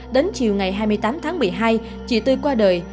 đến chiều ngày hai mươi tám tháng một mươi hai chị tươi qua đời